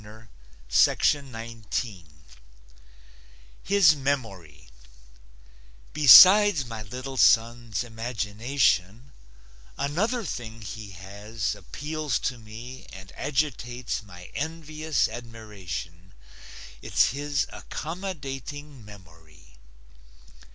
HIS MEMORY Besides my little son's imagination, Another thing he has appeals to me And agitates my envious admiration It's his accommodating memory.